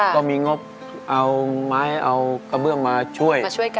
ก็มีงบเอาไม้เอากระเบื้องมาช่วย